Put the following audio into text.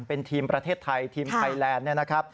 เป็นทีมประเทศไทยทีมไทยแลนด์